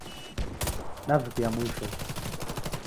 Dav'ikia mwisho